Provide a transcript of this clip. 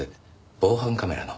防犯カメラの。